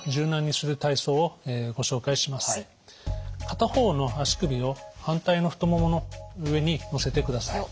片方の足首を反対の太ももの上にのせてください。